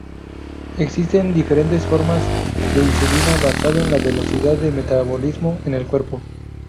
Existen diferentes formas de insulina basado en la velocidad de metabolismo en el cuerpo.